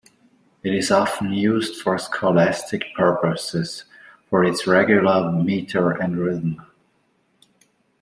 It is often used for scholastic purposes for its regular meter and rhythm.